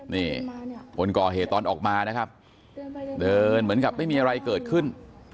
นี่คนก่อเหตุตอนออกมานะครับเดินเหมือนกับไม่มีอะไรเกิดขึ้น